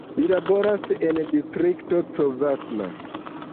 Li laboras en Distrikto Covasna.